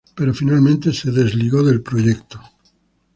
Pero finalmente se desligó del proyecto.